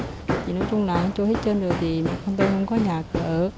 thì nói chung là trôi hết chân rồi thì mẹ con tôi không có nhà cửa ở